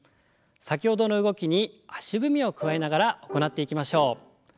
先ほどの動きに足踏みを加えながら行っていきましょう。